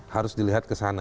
harus dilihat ke sana